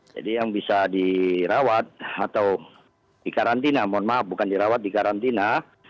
jadi yang bisa dirawat atau dikarantina mohon maaf bukan dirawat dikarantina